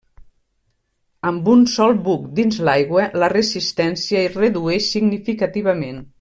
Amb un sol buc dins l'aigua la resistència es redueix significativament.